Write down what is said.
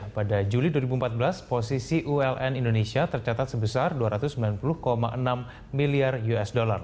pada juli dua ribu empat belas posisi uln indonesia tercatat sebesar dua ratus sembilan puluh enam miliar usd